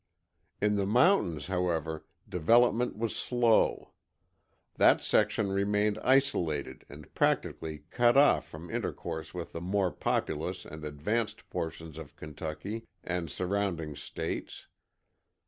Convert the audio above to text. In the mountains, however, development was slow. That section remained isolated and practically cut off from intercourse with the more populous and advanced portions of Kentucky and surrounding States.